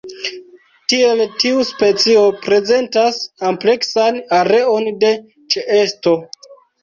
Tiel tiu specio prezentas ampleksan areon de ĉeesto.